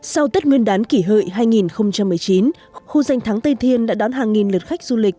sau tết nguyên đán kỷ hợi hai nghìn một mươi chín khu danh thắng tây thiên đã đón hàng nghìn lượt khách du lịch